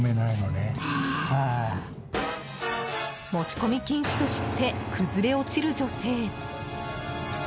持ち込み禁止と知って崩れ落ちる女性。